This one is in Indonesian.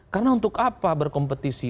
karena untuk apa berkompetisi